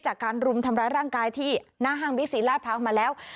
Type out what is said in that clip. การรุมทำร้ายร่างกายที่หน้าห้างบิ๊กซีราชพร้าวมาแล้ว